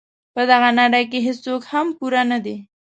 په دغه نړۍ کې هیڅوک هم پوره نه دي.